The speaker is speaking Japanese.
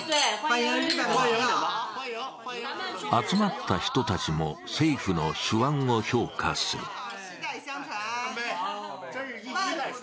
集まった人たちも政府の手腕を評価する。